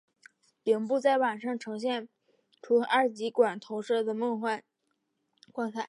顶部在晚上则会呈现由二极管投射的各种梦幻光彩。